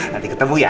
nanti ketemu ya